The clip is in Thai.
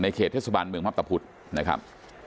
ในเขตเทศบันเมืองภาพตะพุทธนะครับ